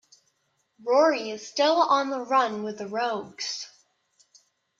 Rory is still on the run with The Rogues.